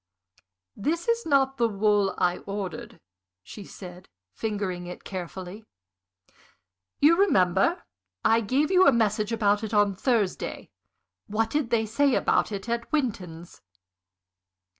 "This is not the wool I ordered," she said, fingering it carefully. "You remember, I gave you a message about it on Thursday? What did they say about it at Winton's?"